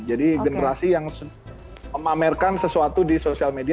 jadi generasi yang memamerkan sesuatu di sosial media